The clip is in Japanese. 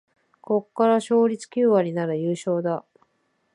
ここから勝率九割なら優勝だ